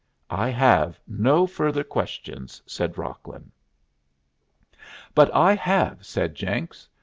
"I have no further questions," said Rocklin. "But I have," said Jenks.